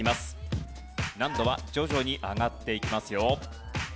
難度は徐々に上がっていきますよ。